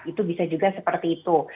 itu bisa juga seperti itu